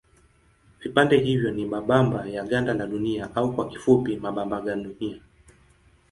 Vipande hivyo ni mabamba ya ganda la Dunia au kwa kifupi mabamba gandunia.